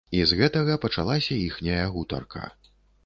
І з гэтага пачалася іхняя гутарка.